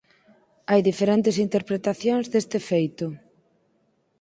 Hai diferentes interpretacións deste feito.